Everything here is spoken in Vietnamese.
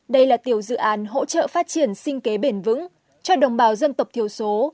đây là tiểu dự án hỗ trợ phát triển sinh kế bền vững cho đồng bào dân tộc thiểu số